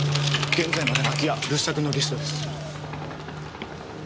現在までの空き家留守宅のリストです。